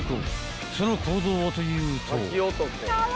［その行動はというと］